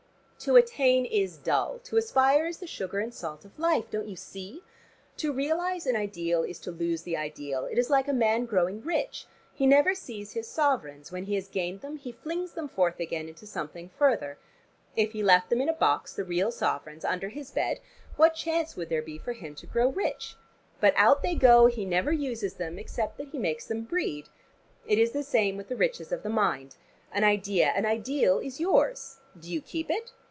To attain is dull, to aspire is the sugar and salt of life. Don't you see? To realize an ideal is to lose the ideal. It is like a man growing rich: he never sees his sovereigns: when he has gained them he flings them forth again into something further. If he left them in a box, the real sovereigns, under his bed, what chance would there be for him to grow rich? But out they go, he never uses them, except that he makes them breed. It is the same with the riches of the mind. An idea, an ideal is yours. Do you keep it?